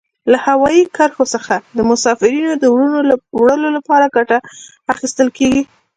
له هوایي کرښو څخه د مسافرینو د وړلو لپاره ګټه اخیستل کیږي.